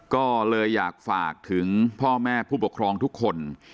ก็เลยอยากฝากถึงพ่อแม่ผู้ปกครองทุกคน